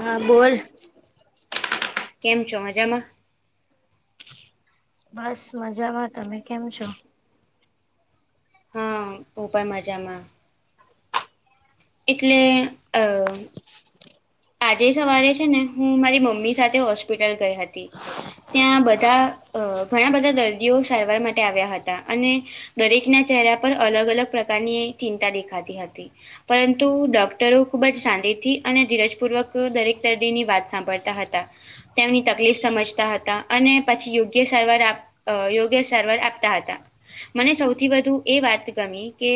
હા બોલ કેમ છો મજામાં? બસ મજામાં તમે કેમ છો? હુ પણ મજામાં એટલે અ આજે સવારે છે, ને હું મારી મમ્મી સાથે હોસ્પિટલ ગઈ હતી. ત્યાં બધા અ ઘણા બધા દર્દીઓ સારવાર માટે આવ્યા હતા અને દરેકને ચહેરા પર અલગ અલગ પ્રકારની ચિંતા દેખાતી હતી. પરંતુ ડોક્ટરો ખૂબ જ શાંતિથી અને ધીરજ પૂર્વક દરેક દર્દીની વાત સાંભળતા હતા. તેમની તકલીફ સમજતા હતા અને પછી યોગ્ય સારવાર આ અ યોગ્ય સારવાર આપતા હતા મને સૌથી વધુ એ વાત ગમી કે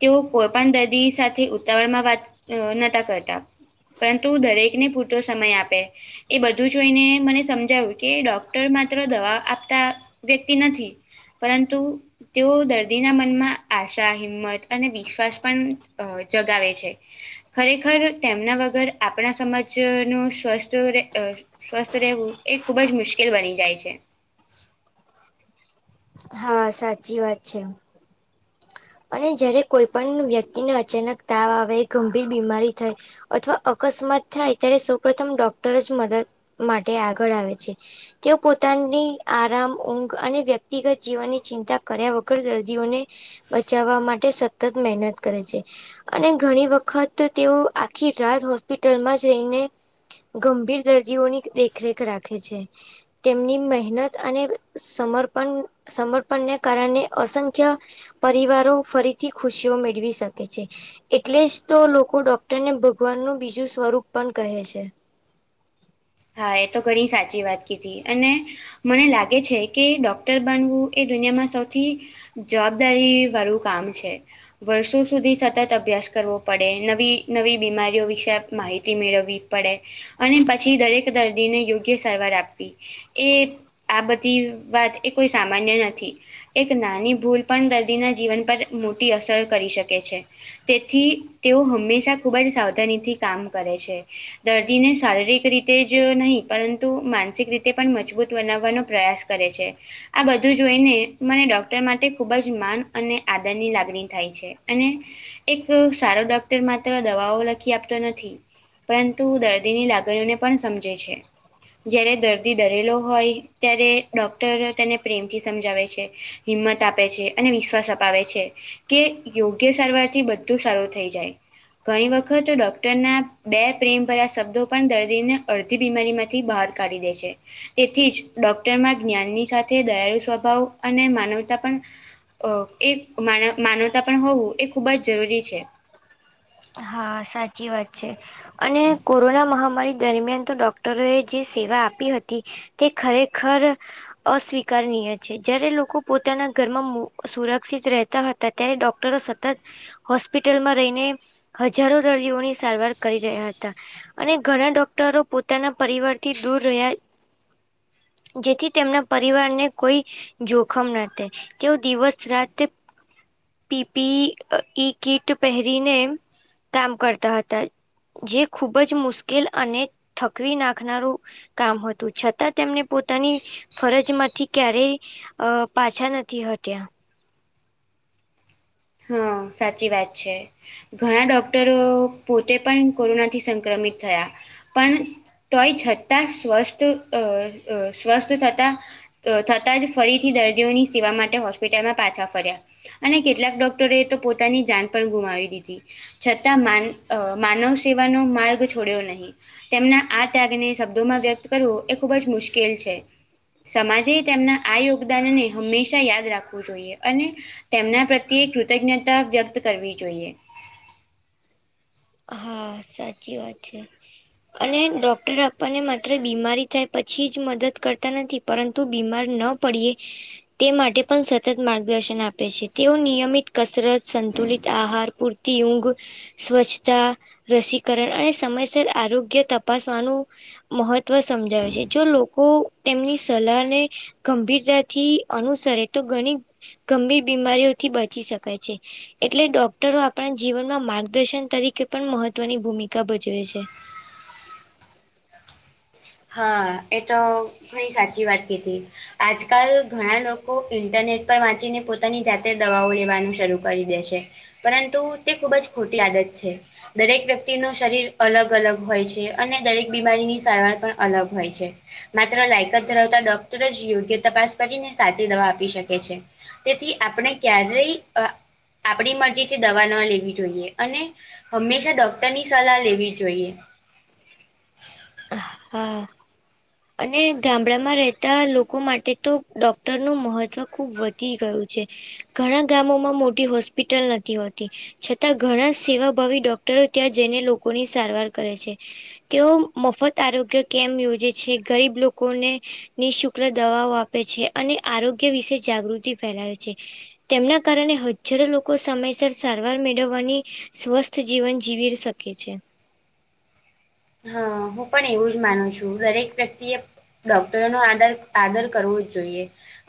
તેઓ કોઈ પણ દર્દી સાથે ઉતાવળમાં વાત નતા કરતા પરંતુ દરેકને પૂરતો સમય આપે એ બધું જોઈને મને સમજાવ્યું કે ડોક્ટર માત્ર દવા આપતા વ્યક્તિ નથી પરંતુ તેઓ દર્દીના મનમાં આશા, હિંમત અને વિશ્વાસ પન અ જગાવે છે. ખરેખર તેમના વગર આપણા સમાજ નુ [unintelligible] સ્વસ્થ રહેવું એ ખુબ જ મુશ્કેલ બની જાય છે. હા સાચી વાત છે. અને જયારે કોઈ પણ વ્યક્તિને અચાનક તાવ આવે ગંભીર બીમારી થાય. અથવા અકસ્માત થાય ત્યારે સૌ પ્રથમ ડોક્ટર જ મદદ માટે આગળ આવે છે. તેઓ પોતાની આરામ, ઊંઘ અને વ્યક્તિગત જીવનની ચિંતા કર્યા વગર દર્દીઓને બચાવવા માટે સતત મહેનત કરે છે. અને ઘણી વખત તેઓ આખી રાત હોસ્પિટલમાં જઈને ગંભીર દર્દીઓની દેખરેખ રાખે છે. તેમની મહેનત અને સમર્પણ સમર્પણને કારણે અસંખ્ય પરિવારો ફરીથી ખુશીઓ મેળવી શકે છે. એટલે જ તો લોકો ડોક્ટરને ભગવાનનું બીજું સ્વરૂપ પણ કહે છે. હા એ તો ઘણી સાચી વાત કીધી અને મને લાગે છે, કે ડોક્ટર બાનવું એ દુનિયામાં સૌથી જવાબદારી વાળું કામ છે. વર્ષો સુધી સતત અભ્યાસ કરવો પડે નવી નવી બીમારીઓ વિશે માહિ તી મેળવવી પડે અને પછી દરેક દર્દીને યોગ્ય સારવાર આપવી એ આ બધી વાત એ કોઈ સામાન્ય નથી. એક નાની ભૂલ પણ દર્દીના જીવન પર મોટી અસર કરી શકે છે. તેથી તેઓ હંમેશા ખૂબ જ સાવધાની થી કામ કરે છે. દર્દી ને શારીરિક રીત તે જ નહી પરંતુ માનસિક રીતે પણ મજબૂત બનાવવાનો પ્રયાસ કરે છે. આ બધું જોઈને મને ડોક્ટર માટે ખૂબ જ માન અને આદરની લાગણી થાય છે અને એક સારો ડોક્ટર માત્ર દવાઓ લખી આપતો નથી. પરંતુ દર્દીની લાગણીઓને પણ સમજે છે. જયારે દર્દી ડરેલો હોય ત્યારે ડોક્ટર તેને પ્રેમથી સમજાવે છે. હિંમત આપે છે અને વિશ્વાસ અપાવે છે. કે યોગ્ય સારવાર થી બધું સારું થઈ જાય. ઘણી વખત ડોક્ટરના બે પ્રેમ ભર્યા શબ્દો પણ દર્દી ને અડધી બીમારી માંથી બહાર કાઢી દે છે. તેથી જ ડોક્ટરમાં જ્ઞાનની સાથે દયાળુ સ્વભાવ અને માનવતા પણ અ એક માન માનવતા પણ હોવું એ ખૂબ જ જરૂરી છે. હ સાચી વાત છે અને કોરોના મહામારી દરમિયાન તો ડૉક્ટર અવે જે સેવા આપી હતી તે ખરેખર અસ્વીકારનીય છે જયારે લોકો પોતાના ઘરમાં સુરક્ષિત રહેતા હતા. ત્યારે ડોક્ટરો સતત હોસ્પિટલમાં રહીને. જરૂર [unintelligible] સારવાર કરી રહ્યા હતા. અને ઘણા ડોક્ટરો પોતાના પરિવાર થી દૂર રહ્યા. જેથી તેમના પરિવારને કોઈ જોખમ [unintelligible] તેઓ દિવસ રાતે પી. પી. ઈ [unintelligible] કીટ પહેરીને કામ કરતા હતા જે ખૂબજ મુશ્કેલ અને થકવી નાખનારું કામ હતું છતાં તેમને પોતાની ફરજમાંથી ક્યારેય અ પાછા નથી હત્યાં હમ્મ સાચી વાત છે. ઘણા ડોક્ટરો પોતે પણ કોરોનાથી સંક્રમિત થયા. પણ તોય છતાં સ્વસ્થ [unintelligible] થતા થતાં જ ફરીથી દર્દીઓની સેવા માટે હોસ્પિટલમાં પાછા ફર્યા અને કેટલાક ડોક [unintelligible] પોતાની જાન પણ ગુમાવી દીધી. છતાં માન અ માનવ સેવાનો માર્ગ છોડ્યો નહીં તેમના આ ત્યાગને શબ્દોમાં વ્યક્ત કરવું એ ખૂબ જ મુશ્કેલ છે. સમાજે તેમના આ યોગદાનને હંમેશા યાદ રાખવું જોઈએ અને તેમના પ્રત્યે કૃતજ્ઞતા વ્યક્ત કરવી જોઈએ. હા સાચી વાત છે. [inaudible] અને ડૉક્ટર આપણને માત્ર બીમારી થાય પછી જ મદદ કરતા નથી પરંતુ બીમાર ન પડીએ તે માટે પણ સતત માર્ગદર્શન આપે છે તેઓ નિયમિત કસરત સંતુલિત આહાર પૂર [unintelligible] ઊઘ સ્વ [unintelligible] રસીકરણ અને સમયસર આરોગ્ય તપાસવાનું મહત્વ સમજાવે છે જો લોકો તેમની સલાહને ગંભીરતાથી અનુસરે તો ઘણી ગંભીર બીમારીઓથી બચી શકાય છે. એટલે ડોક્ટરો આપણા જીવનમાં માર્ગદર્શન તરીકે પણ મહત્વની ભૂમિકા ભજવે છે હા એ તો થોડી સાચી વાત કીધી આજકાલ ઘણા લોકો ઇન્ટરનેટ પર વાંચીને પોતાની જાતે દવાઓ લેવાનું શરૂ કરી દે છે પરંતુ તે ખુબ જ ખોટી આદત છે દરેક વ્યક્તિ નું શરીર અલગ અલગ હોય છે અને દરેક બીમારીની સારવાર પણ અલગ હોય છે. માત્ર લાયકાત ધરાવતા ડોક્ટર જ કરીને સાચી દવા આપી શકે છે. તેથી આપણે ક્યારેય આપણી મરજીથી દવા ન લેવી જોઈએ અને હંમેશા ડોક્ટરની સલાહ લેવી જોઈએ. હા. અને ગામડામાં રહેતા લોકો માટે તો ડોક્ટર ખૂબ વધુ છે ઘણા મોટી હોસ્પિટલ નથી હોતી. છતાં ઘણા સેવાભાવી ડોક્ટરો ત્યાં જઈને લોકોની સારવાર કરે છે. [unintelligible] આરોગ્ય કેમ્પ યોજે છે ગરીબ લોકોને નિઃશુલ્ક દવાઓ આપે છે. અને આરોગ્ય વિશે જાગૃતિ ફેલાવે છે. તેમના કારણે હજારો લોકો સમયસર સારવાર મેળવવાની સ્વસ્થ જીવન જીવી શકે છે. હા હું પણ એવું જ માનું છું દરેક વ્યક્તિએ ડોક્ટરો નો આદર આદર કરવો જ જોઈએ.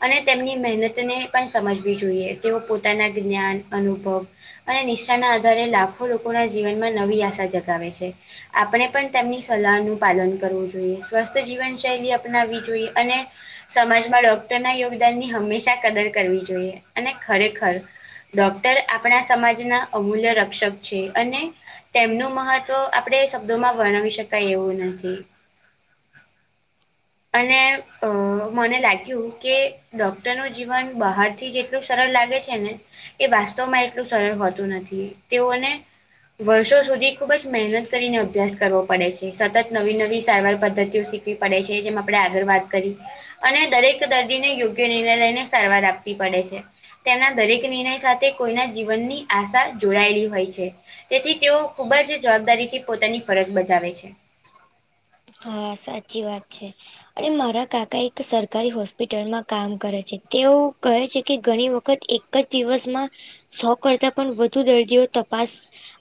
અને તેમની મહેનતને પણ સમજવી જોઈએ તેઓ પોતાના જ્ઞાન અનુભવ અને નિષ્ઠાના આધારે લાખો લોકોના જીવનમાં નવી આશા જગાવે છે આપણે પણ તેમની સલાહનું પાલન કરવું જોઈએ સ્વસ્થ જીવનશૈલી અપનાવવી જોઈએ અને સમાજમાં ડોક્ટરના યોગદાન ની હંમેશા કદર કરવી જોઈએ અને ખરેખર ડોક્ટર આપણા સમાજના અમૂલ્ય રક્ષક છે અને તેમનું મહત્વ આપણે શબ્દોમાં વર્ણવી શકાય એવું નથી. અને અ મને લાગ્યું કે ડોક્ટર નું જીવન બહાર થી જેટલું સરળ લાગે છે ને એ વાસ્તવમાં એટલું સરળ હોતું તેઓને વર્ષો સુધી ખુબ જ મહેનત કરીને અભ્યાસ કરવો પડે છે સતત નવી નવી સાયબર પદ્ધતિઓ શીખવી પડે છે જેમ આપણે આગળ વાત કરી. અને દરેક દર્દીને યોગ્ય નિર્ણય લઈને સારવાર આપવી પડે છે. તેના દરેક નિર્ણય સાથે કોઈના જીવનની આશા જોડાયેલી હોય છે. તેથી તેઓ ખૂબ જ જવાબદારીથી પોતાની ફરજ બજાવે છે. હા સાચી વાત છે. અને મારા કાકા એક સરકારી હોસ્પિટલમાં કામ કરે છે તેઓ કહે છે કે ઘણી વખત એક એક જ દિવસમાં સો કરતા પણ વધુ દર્દીઓ તપાસ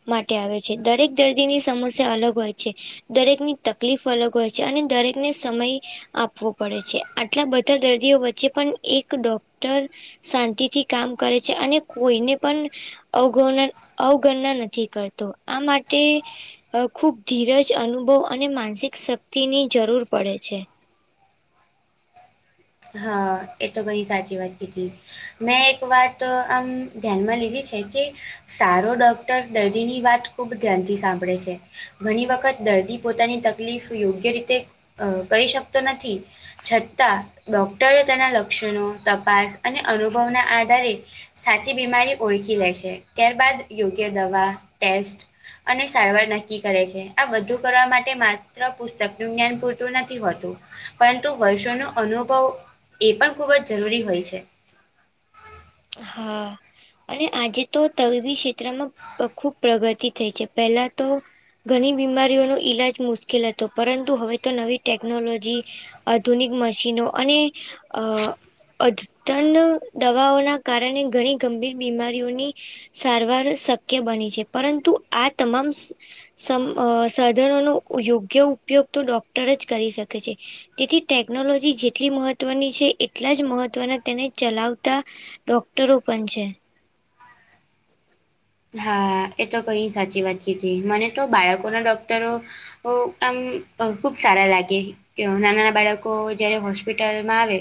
માટે આવે છે દરેક દર્દીની સમસ્યા અલગ હોય છે દરેકની તકલીફ અલગ હો છે અને દરેકને સમય આપવો પડે છે આટલા બધા દર્દીઓ વચ્ચે પણ એક ડોક્ટર શાંતિથી કામ કરે છે અને કોઈને પણ અવગણ અવગણના નથી કરતો આ માટે અ ખુબ ધીરજ અનુભવ અને માનસિક શક્તિની જરૂર પડે છે. હા એ તો ઘણી સાચી વાત કીધી મેં એક વાત આમ ધ્યાનમાં લીધી છે કે સારો ડોક્ટર દર્દીની વાત ખુબ ધ્યાનથી સાંભળે છે. ઘણી વખત દર્દી પોતાની તકલીફ યોગ્ય રીતે કરી અહ શકતો નથી. છતાં ડોક્ટરો તેના લક્ષણો તપાસ અને અનુભવના આધારે સાચી બીમારી ઓળખી લે છે. ત્યારબાદ યોગ્ય દવા ટેસ્ટ અને સારવાર નક્કી કરે છે આ બધું કરવા માટે માત્ર પુસ્તકનું જ્ઞાન પૂરતું નથી હોતું. પરંતુ વર્ષોનો અનુભવ એ પણ ખૂબઅજ જરૂરી હોય છે. હા. અને આજે તો તબીબી ક્ષેત્રમાં અહ ખૂબ પ્રગતિ થઈ છે. પેલા તો ઘણી બીમારીઓનો ઈલાજ મુશ્કેલ હતો પરંતુ હવે તો નવી ટેકનોલોજી આધુનિક મશીનો અને અહ અધન દવાઓના કારણે ઘણી ગંભીર બીમારીઓની સારવાર શક્ય બની છે. પરંતુ આ તમામ સમ અહ સાધનો નો યોગ્ય ઉપયોગ તો ડોક્ટર જ કરી શકે છે. તેથી ટેકનોલોજી જેટલી મહત્વની એટલા જ મહત્વના તેને ચલાવતા ડૉક્ટરો ઓ પન છે. હા એ તો ઘણી સાચી વાત કીધી. મને તો બાળકોના ડોક્ટરો ઓ આમ અહ ખુબ સારા લાગે. કે ના નાના બાળકો જયારે હોસ્પિટલમાં આવે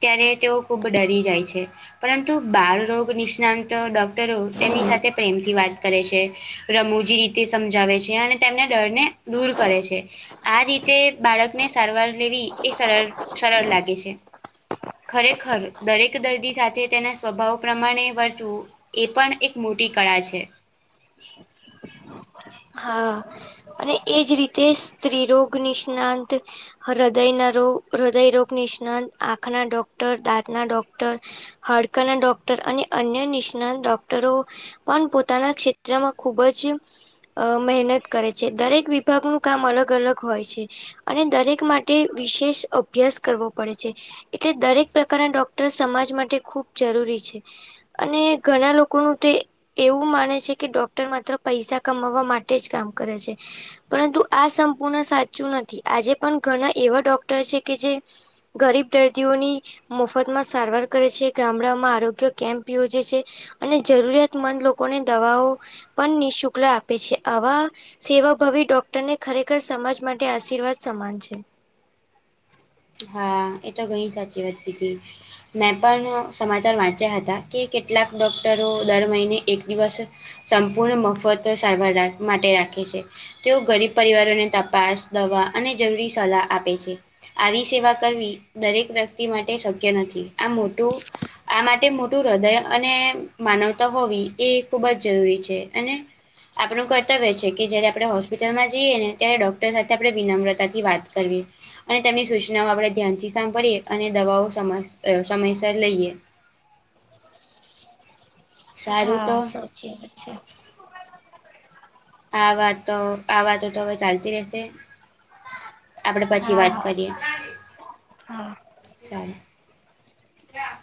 ત્યારે તેઓ ખુબ ડરી જાય છે. પરંતુ બાળરોગ નિષ્ણ તો ડોક ટરો તેની સાથે તેમથી વાત કરે છે, રમૂજી રીતે સમજાવે છે અને તેમના ડર ને દૂર કરે છે. આ રીતે બાળકને સારવાર લેવી એ સરળ સરળ લાગે છે. ખરેખર દરેક દર્દી સાથે તેના સ્વભાવ પ્રમાણે વર્તવું એ પણ એક મોટી કળા છે. હા. ને જ રીતે સ્ત્રી રોગ નિષ્ણાત હૃદય ના રોગ હૃદયરોગ નિષ્ણાંત, આંખના ડોક્ટર, દાંતના ડોક્ટર હાડકાના ડોક્ટર અને અન્ય નિષ્ણાંત ડોક્ટરો પણ પોતાના ક્ષેત્રમાં ખુબ જ અહ મહેનત કરે છે દરેક વિભાગનું કામ અલગ અલગ હોય છે. અને દરેક માટે વિશેષ અભ્યાસ કરવો પડે છે. એટલે દરેક પ્રકારના ડોક્ટર સમાજ માટે ખૂબ જરૂરી છે. અને ઘણા લોકોનું તે એવું માને છે કે ડોક્ટર માત્ર પૈસા કમાવવા માટે જ કામ કરે છે. પરંતુ આ સંપૂર્ણ સાચું નથી. આજે પણ ઘણા એવા ડોક્ટર છે કે જે ગરીબ દર્દીઓ ની મફતમાં સારવાર કરે છે. ગામડામાં આરોગ્ય કેમ્પ યોજે છે. અને જરૂરિયાત મંદ લોકોને દવાઓ પણ નિઃશુક્લ આપે છે આવા સેવાભવી ડોક તેને ખરેખર સમજ માટે આશીર્વાદ સમાન છે. હા એ તો ઘણી સાચી વાતી કીધી. મેં પણ સમાચાર વાંચ્યા હતા, કે કેટલાક ડોક્ટરો દર મહિને એક દિવસ સંપૂર્ણ મફત સારવાર રા-માટે રાખે છે. તેઓ ગરીબ પરિવારોને તપાસ ગીદવા અને જરૂરી સલાહ આપે છે. આવી સેવા કરવી દરેક વ્યક્તિ માટે શક્ય નથી. આ મોટું આ માટે મોટું હૃદય અને માનવતા હોવી એ ખૂબ જ જરૂરી છે. અને આપણું કર્તવ્ય છે કે જયારે આપણે હોસ્પિટલમાં જઈએ ને ત્યારે ડોક્ટર સાથે આપણે વિનમ્રતા થી વાત કરવી. અને તેમની સૂચનાઓ આપણે ધ્યાનથી સાંભળીએ, અને દવાઓ સમયસર લઈએ. સારું હા તો સાચી વાત છે. આ વાતો આ વાતો તો હવે ચાલતી રહેશે. આપડે પછી હા હા વાત કરીએ. હા. સારું ક્યાં?